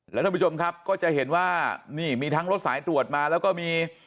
แล้วท่านผู้ชมครับก็จะเห็นว่านี่มีทั้งรถสายตรวจมาแล้วก็มี